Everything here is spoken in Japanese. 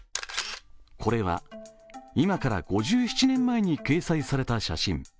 これは今から５７年前に掲載された写真。